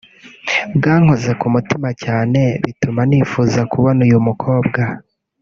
bwankoze ku mutima cyane bituma nifuza kubona uyu mukobwa